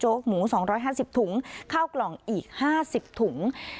จากการที่คนสวมเสื้อศรีกากีอธิบาย